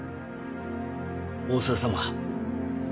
大沢様。